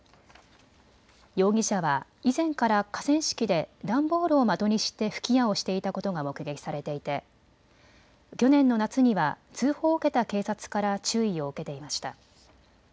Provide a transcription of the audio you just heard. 容疑者は以前から河川敷で段ボールを的にして吹き矢をしていたことが目撃されていて去年の夏には通報を受けた警察から注意を受けていました。